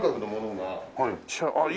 はい。